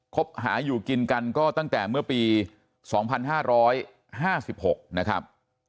ครบหาอยู่กินกันก็ตั้งแต่เมื่อปีสองพันห้าร้อยห้าสิบหกนะครับ